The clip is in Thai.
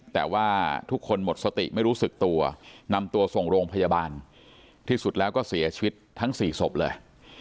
แต่ว่าทุกคนหมดสติไม่รู้สึกตัวนำตัวส่งโรงพยาบาลที่สุดแล้วก็เสียชีวิตทั้ง๔ศพเลย